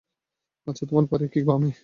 আচ্ছো, তোমার বাড়ি কি বামে?